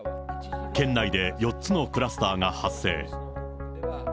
県内で４つのクラスターが発生。